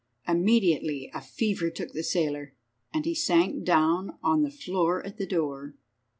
Immediately a fever took the sailor, and he sank down on the floor at the door.